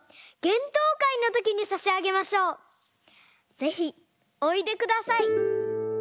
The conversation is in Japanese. ぜひおいでください。